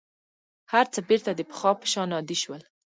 هر څه بېرته د پخوا په شان عادي شول.